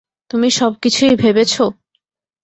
তুমি সবকিছুই ভেবেছো!